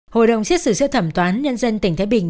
hội đồng xét xử sơ thẩm toán nhân dân tỉnh thái bình